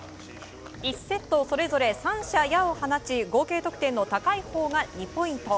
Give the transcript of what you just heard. １セットそれぞれが３射矢を放ち合計得点の高いほうが２ポイント。